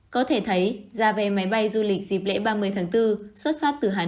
có thể thấy giá vé máy bay du lịch dịp lễ ba mươi tháng bốn xuất phát từ hãng